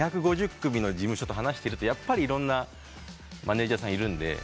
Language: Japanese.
２５０組の事務所と話してるとやっぱりいろんなマネジャーさんいるんで。